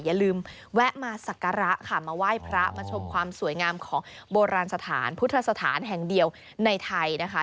อย่าลืมแวะมาสักการะค่ะมาไหว้พระมาชมความสวยงามของโบราณสถานพุทธสถานแห่งเดียวในไทยนะคะ